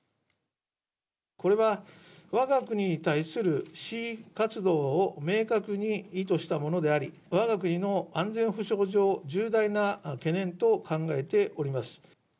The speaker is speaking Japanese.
これはわが国に対する示威活動を明確に意図したものであり、わが国の安全保障上、重大な懸念と考えております。